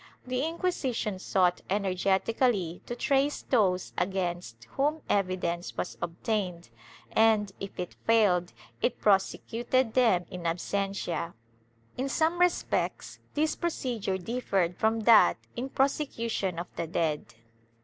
The Inquisition sought energetically to trace those against whom evidence was obtained and, if it failed, it prosecuted them in absentia. In some respects this procedure differed from that in prosecution of the dead.